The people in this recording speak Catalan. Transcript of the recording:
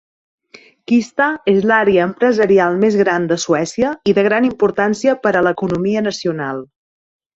Kista és l'àrea empresarial més gran de Suècia i de gran importància per a l'economia nacional.